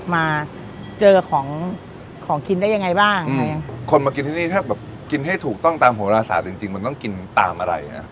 มาเจอของของกินได้ยังไงบ้างคนมากินที่นี่ถ้าแบบกินให้ถูกต้องตามโหรศาสตร์จริงจริงมันต้องกินตามอะไรอ่ะ